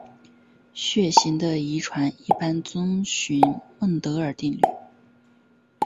血型的遗传一般遵守孟德尔定律。